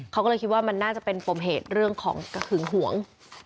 เขาก็เลยคิดว่ามันน่าจะเป็นปมเหตุเรื่องของหึงหวง